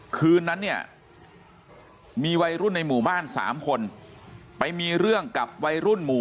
คืนนั้นเนี่ยมีวัยรุ่นในหมู่บ้าน๓คนไปมีเรื่องกับวัยรุ่นหมู่